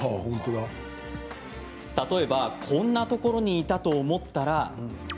例えば、こんなところにいたと思ったら。